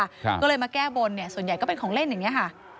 ก็เลยมาแก้บนเนี่ยส่วนใหญ่ก็เป็นของเล่นอย่างเงี้ค่ะ